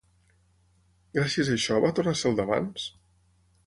Gràcies a això, va tornar a ser el d'abans?